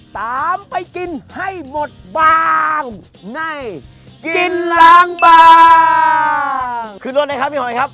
ตามไปกินให้หมดบางในกินล้างบางขึ้นรสเลยครับพี่หอยครับ